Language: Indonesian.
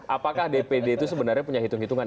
apakah dpd itu sebenarnya punya hitung hitungan